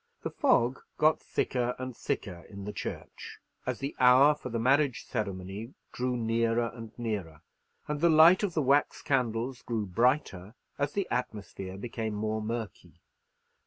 The fog got thicker and thicker in the church as the hour for the marriage ceremony drew nearer and nearer, and the light of the wax candles grew brighter as the atmosphere became more murky.